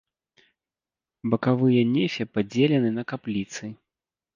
Бакавыя нефе падзелены на капліцы.